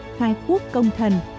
trong hai khuốc công thần